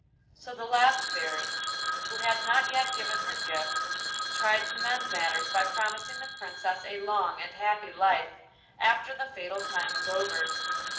So the last Fairy, who had not yet given her gift, tried to mend matters by promising the Princess a long and happy life after the fatal time was over.